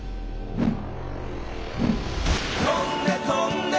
「とんでとんで」